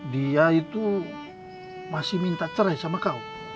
dia itu masih minta cerai sama kau